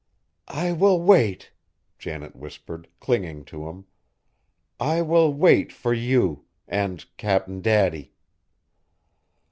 "I will wait," Janet whispered, clinging to him, "I will wait for you and Cap'n Daddy!"